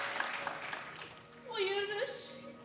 お許し。